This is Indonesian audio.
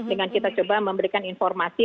dengan kita coba memberikan informasi